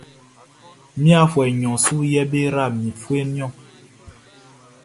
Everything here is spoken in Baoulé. I afuɛ nɲɔn su yɛ be yra mi fieʼn niɔn.